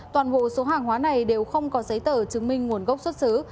toàn bộ số hàng hóa này đều không có giấy tờ chứng minh nguồn gốc xuất xứ